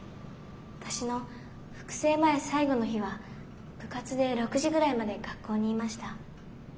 私の復生前最後の日は部活で６時ぐらいまで学校にいました。